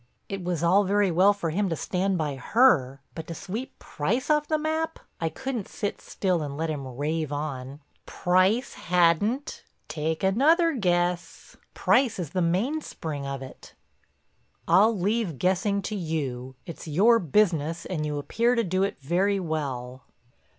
It was all very well for him to stand by her, but to sweep Price off the map! I couldn't sit still and let him rave on. "Price hadn't? Take another guess. Price is the mainspring of it." "I'll leave guessing to you—it's your business, and you appear to do it very well."